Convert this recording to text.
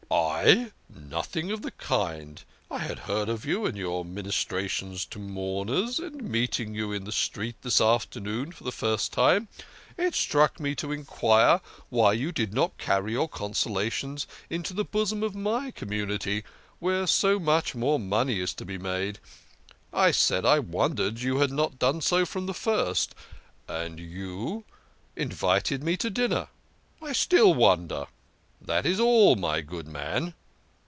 "I? Nothing of the kind. I had heard of you and your ministrations to mourners, and meeting you in the street this afternoon for the first time, it struck me to enqtfire why you did not carry your consolations into the bosom of my community where so much more money is to be made. I said I wondered you had not done so from the first. And you invited me to dinner. I still wonder. That is all, my good man."